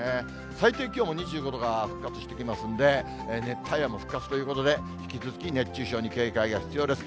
最低気温も２５度が復活してきますんで、熱帯夜も復活ということで、引き続き熱中症に警戒が必要です。